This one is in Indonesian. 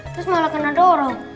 terus malah kena dorong